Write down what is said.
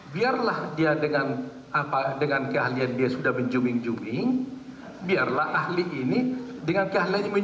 biarlah dia dengan apa dengan keahlian dia sudah menjuming zooming biarlah ahli ini dengan keahlian ini